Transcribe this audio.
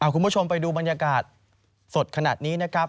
คุณผู้ชมไปดูบรรยากาศสดขนาดนี้นะครับ